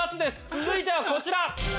続いてはこちら。